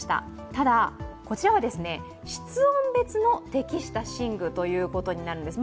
ただ、こちらは室温別の適した寝具になるんです。